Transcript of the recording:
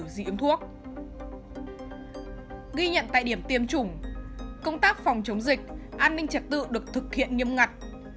ghi nhận tại điểm tiêm chủng công tác phòng chống dịch an ninh trật tự được thực hiện nghiêm ngặt